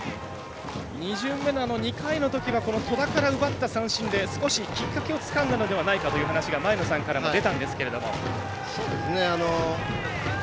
２巡目の２回のときは戸田から奪った三振で少しきっかけをつかんだのではないかと前野さんからも出たんですけども。